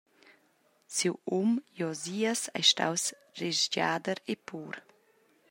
Siu um Josias ei staus resgiader e pur.